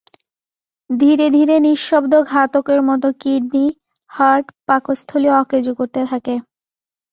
ধীরে ধীরে নিঃশব্দ ঘাতকের মতো কিডনি, হার্ট, পাকস্থলী অকেজো করতে থাকে।